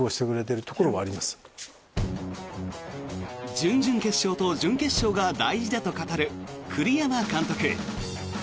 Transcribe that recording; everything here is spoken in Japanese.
準々決勝と準決勝が大事だと語る栗山監督。